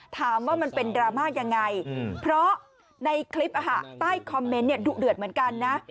ถามว่ามันเป็นดราม่ายังไงเพราะในคลิปใต้คอมเมนต์ดุเดือดเหมือนกันนะ